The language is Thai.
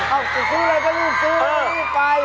อ้าวจะซื้ออะไรก็อยู่ซื้อไว้นี่ไป